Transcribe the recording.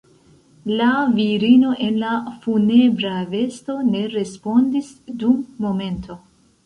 La virino en la funebra vesto ne respondis dum momento.